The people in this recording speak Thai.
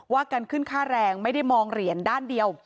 การขึ้นค่าแรงไม่ได้มองเหรียญด้านเดียว